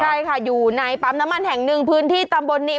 ใช่ค่ะอยู่ในปั๊มน้ำมันแห่งหนึ่งพื้นที่ตำบลนี้